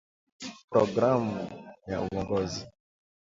Programu ya uongozi